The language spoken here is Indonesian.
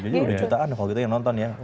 jadi udah jutaan kalau gitu yang nonton ya